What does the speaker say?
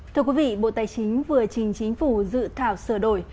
thưa quý vị bộ tài chính vừa trình chính phủ dự thảo sửa đổi